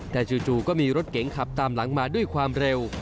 แต่จู่ก็มีรถเก๋งขับตามหลังมาด้วยความเร็ว